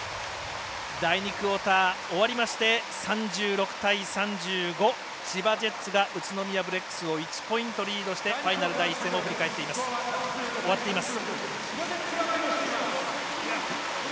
第２クオーター終わりまして３６対３５、千葉ジェッツが宇都宮ブレックスを１ポイントリードしてファイナル第１戦第２クオーター終わっています。